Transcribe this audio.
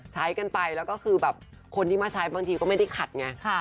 ใช้กันไปแล้วก็คือแบบคนที่มาใช้บางทีก็ไม่ได้ขัดไง